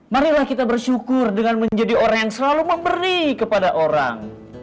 marilah kita bersyukur dengan menjadi orang yang selalu memberi kepada orang